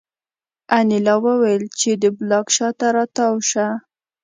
انیلا وویل چې د بلاک شا ته را تاو شه